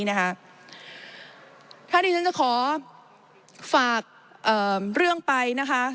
ฉันจะขอฝากเรื่องไป